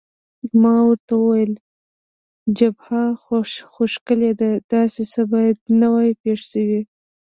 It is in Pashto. ما ورته وویل: جبهه خو ښکلې ده، داسې څه باید نه وای پېښ شوي.